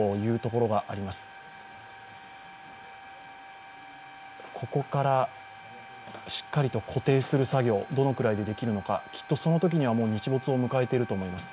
ここからしっかりと固定する作業、どのくらいでできるのか、きっとそのときには日没を迎えていると思います。